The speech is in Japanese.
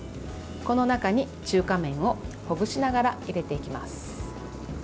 この中に中華麺をほぐしながら入れていきます。